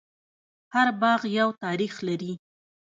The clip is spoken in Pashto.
هر باغ یو تاریخ لري.